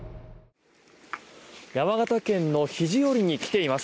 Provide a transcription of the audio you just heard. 山形県の肘折に来ています。